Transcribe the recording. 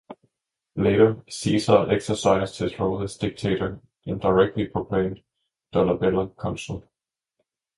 Later, Caesar exercised his role as dictator and directly proclaimed Dolabella consul.